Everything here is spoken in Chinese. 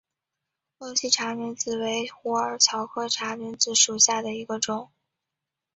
鄂西茶藨子为虎耳草科茶藨子属下的一个种。